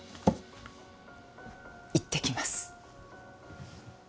いってきます。